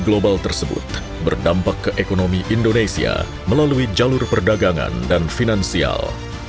global tersebut berdampak ke ekonomi indonesia melalui jalur perdagangan dan finansial